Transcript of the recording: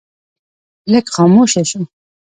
لږ خاموشه شو.